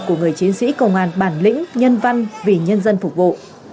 của người chiến sĩ công an bản lĩnh nhân văn vì nhân dân phục vụ